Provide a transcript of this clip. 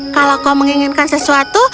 kalau kau menginginkan sesuatu